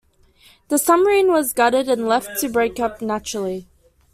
The submarine was gutted and left to break up naturally.